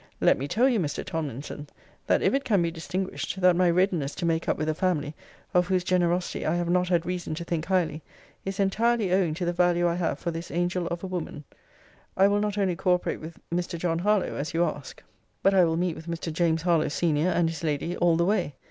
Let me tell you, Mr. Tomlinson, that if it can be distinguished, that my readiness to make up with a family, of whose generosity I have not had reason to think highly, is entirely owing to the value I have for this angel of a woman, I will not only co operate with Mr. John Harlowe, as you ask; but I will meet with Mr. James Harlowe senior, and his lady, all the way.